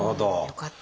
よかった。